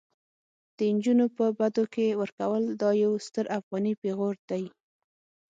د انجونو په بدو کي ورکول دا يو ستر افغاني پيغور دي